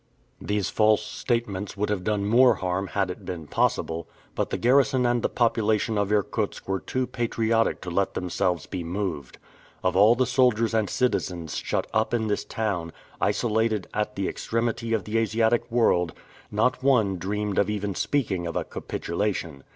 These false statements would have done more harm had it been possible; but the garrison and the population of Irkutsk were too patriotic to let themselves be moved. Of all the soldiers and citizens shut up in this town, isolated at the extremity of the Asiatic world, not one dreamed of even speaking of a capitulation.